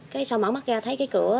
cái sau mở mắt ra thấy cái cửa